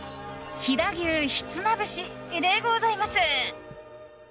飛騨牛ひつまぶしでございます。